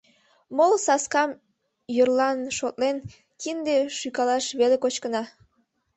Моло саскам, йӧрлан шотлен, кинде шӱкалаш веле кочкына.